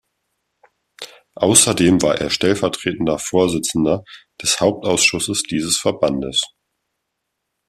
Außerdem war er stellvertretender Vorsitzender des Hauptausschusses dieses Verbandes.